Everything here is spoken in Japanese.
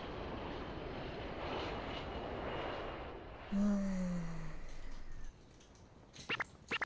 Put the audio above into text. うん。